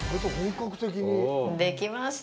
できました。